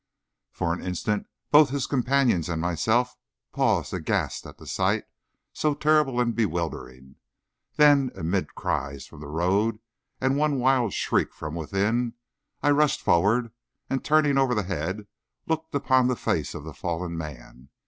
For an instant both his companions and myself paused aghast at a sight so terrible and bewildering; then, amid cries from the road and one wild shriek from within, I rushed forward, and turning over the head, looked upon the face of the fallen man.